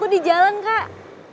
aku di jalan kak